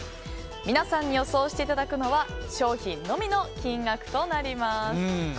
皆さんに予想していただくのは商品のみの金額となります。